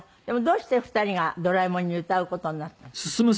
でもどうして２人が『ドラえもん』に歌う事になったの？